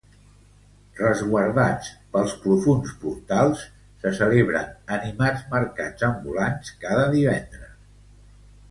Resguardats pels profunds portals, se celebren animats mercats ambulants cada divendres.